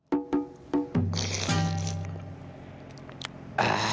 「ああ。